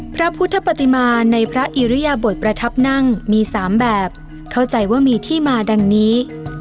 พระพุทธปฏิมาในพระอิริยบทประทับนั่งมี๓แบบเข้าใจว่ามีที่มาดังนี้